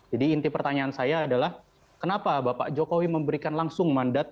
jadi inti pertanyaan saya adalah kenapa bapak jokowi memberikan langsung mandat